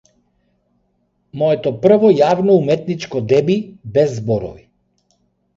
Моето прво јавно уметничко деби без зборови.